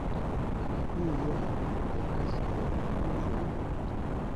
Akatundu ako abakazi ke bawummuliramu.